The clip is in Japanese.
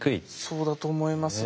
そうだと思います。